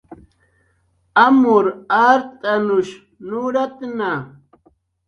Amur art'anush nuratna